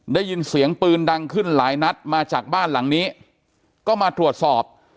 ได้ยินเสียงปืนดังขึ้นหลายนัดมาจากบ้านหลังนี้ก็มาตรวจสอบ